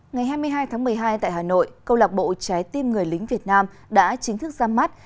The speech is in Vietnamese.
ngày hai mươi hai tháng một mươi hai tại hà nội câu lạc bộ trái tim người lính việt nam đã chính thức ra mắt